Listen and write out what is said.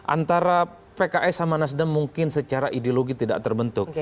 antara pks sama nasdem mungkin secara ideologi tidak terbentuk